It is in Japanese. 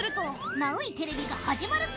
ナウいテレビが始まるぜ。